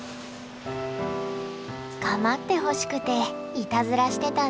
構ってほしくていたずらしてたんだね。